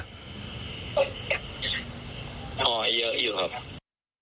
หอยเยอะอยู่ครับ